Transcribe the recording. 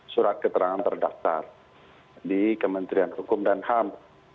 surat keterangan terdaftar di kementerian hukum dan ham